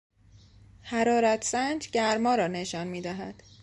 حرارتسنج گرما را نشان میدهد.